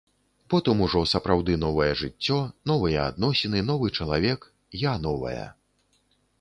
Потым ужо сапраўды новае жыццё, новыя адносіны, новы чалавек, я новая.